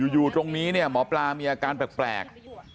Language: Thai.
อยู่ตรงนี้เนี่ยหมอปลามีอาการแปลก